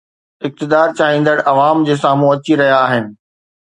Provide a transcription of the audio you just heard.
اقتدار چاهيندڙ عوام جي سامهون اچي رهيا آهن.